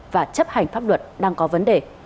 và chấp hành pháp luật đang có vấn đề